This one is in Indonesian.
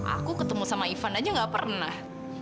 aku ketemu sama ivan aja gak pernah